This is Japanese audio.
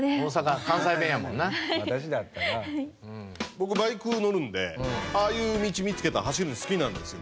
僕バイク乗るんでああいう道見つけたら走るの好きなんですよ。